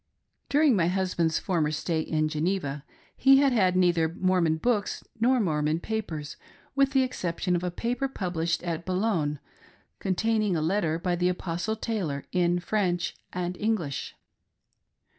During my husband's former stay in Geneva he had had neither Mormon books nor Mormon papers, with the exception of a paper published at Boulogne, containing a letter by the' apostle Taylor, in French and English.